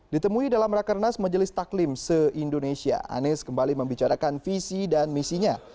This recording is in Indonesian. ditemui dalam rakernas majelis taklim se indonesia anies kembali membicarakan visi dan misinya